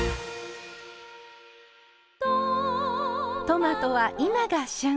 トマトは今が旬。